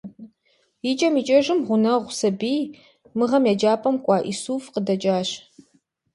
Икӏэм икӏэжым, гъунэгъу сабий - мы гъэм еджапӏэм кӏуа Исуф - къыдэкӏащ.